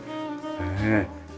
ねえ。